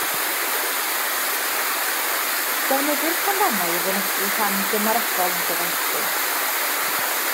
Defnyddir canrannau i fynegi rhan gymarebol o gyfanswm.